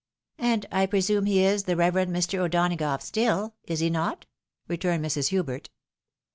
And I presume he is the reverend Mr. O'Donagough still, is he not ?" returned Mrs. Hubert.